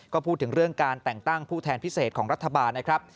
ก็พูดถึงเรื่องการแต่งตั้งผู้แทนพิเศษของรัฐบาลนะครับ